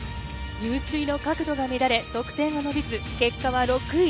入水の角度が乱れ、得点は伸びず、結果は６位。